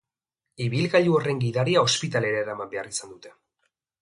Ibilgailu horren gidaria ospitalera eraman behar izan dute.